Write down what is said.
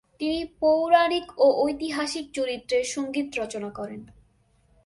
তিনি পৌরাণিক ও ঐতিহাসিক চরিত্রের সঙ্গীত রচনা করেন।